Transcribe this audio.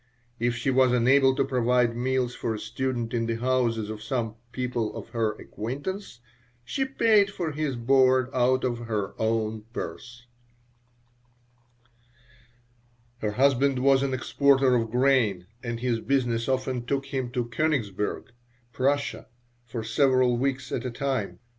If she was unable to provide meals for a student in the houses of some people of her acquaintance she paid for his board out of her own purse Her husband was an exporter of grain and his business often took him to Koenigsberg, Prussia, for several weeks at a time.